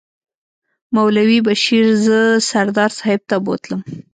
مولوي بشیر زه سردار صاحب ته بوتلم.